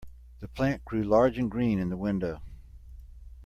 The plant grew large and green in the window.